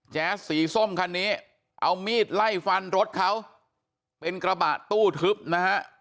แสสีส้มคันนี้เอามีดไล่ฟันรถเขาเป็นกระบะตู้ทึบนะฮะ